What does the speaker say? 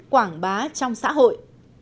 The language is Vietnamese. quảng bá trong xã hội